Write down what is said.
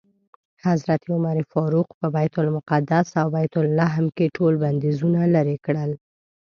حضرت عمر فاروق په بیت المقدس او بیت لحم کې ټول بندیزونه لرې کړل.